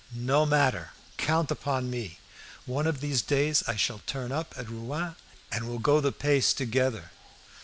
No matter! Count upon me. One of these days I shall turn up at Rouen, and we'll go the pace together."